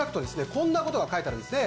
こんなことが書いてあるんですね